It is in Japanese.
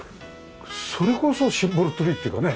それこそシンボルツリーっていうかね。